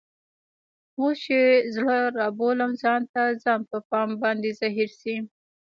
اوس چي زړه رابولم ځان ته ، ځان په ما باندي زهیر سي